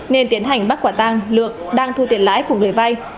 nên tiến hành bắt quả tăng lượng đang thu tiền lãi của người vay